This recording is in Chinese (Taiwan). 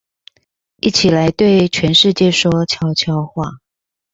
一起來對全世界說悄悄話